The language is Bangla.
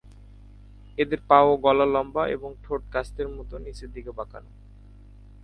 এদের পা ও গলা লম্বা এবং ঠোঁট কাস্তের মতো নিচের দিকে বাঁকানো।